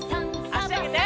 あしあげて。